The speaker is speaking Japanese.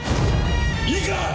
いいか！